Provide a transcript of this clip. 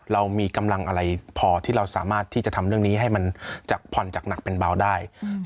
เรามีกำลังอะไรพอที่เราสามารถที่จะทำเรื่องนี้ให้มันจากผ่อนจากหนักเป็นเบาได้